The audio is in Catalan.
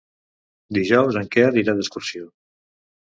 Dijous en Quer irà d'excursió.